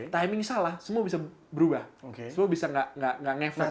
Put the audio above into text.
timing salah semua bisa berubah semua bisa nggak ngefek